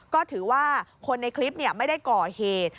ก็ถือว่าคนในคลิปไม่ได้ก่อเหตุ